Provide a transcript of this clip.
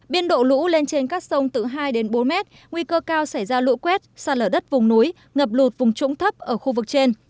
biên độ lũ lên trên các sông từ hai đến bốn mét nguy cơ cao xảy ra lũ quét sạt lở đất vùng núi ngập lụt vùng trũng thấp ở khu vực trên